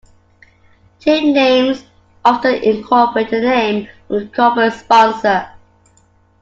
Team names often incorporate the name of a corporate sponsor.